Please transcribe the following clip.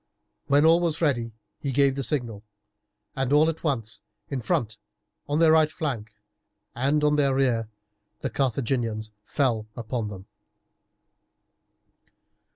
When all was ready he gave the signal, and at once in front, on their right flank, and on their rear the Carthaginians fell upon them.